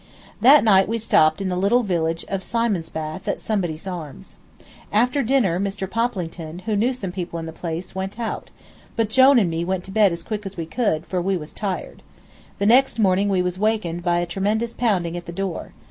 That night we stopped in the little village of Simonsbath at Somebody's Arms. After dinner Mr. Poplington, who knew some people in the place, went out, but Jone and me went to bed as quick as we could, for we was tired. The next morning we was wakened by a tremendous pounding at the door.